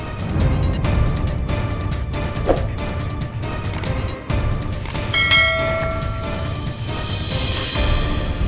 dan saya sudah haltena takut